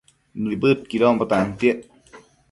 Nibëdquidonbo tantiec